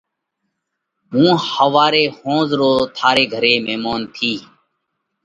هُون ۿواري ۿونز رو ٿاري گھري ميمونَ ٿِيه۔